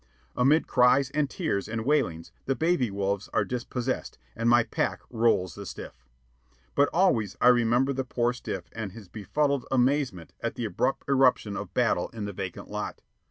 Amid cries and tears and wailings the baby wolves are dispossessed, and my pack rolls the stiff. But always I remember the poor stiff and his befuddled amazement at the abrupt eruption of battle in the vacant lot.